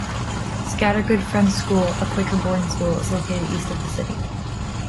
Scattergood Friends School, a Quaker boarding school, is located east of the city.